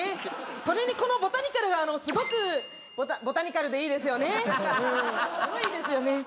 それにこのボタニカルがすごくボタボタニカルでいいですよねすごいですよね